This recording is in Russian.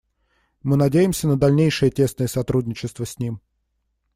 Мы надеемся на дальнейшее тесное сотрудничество с ним.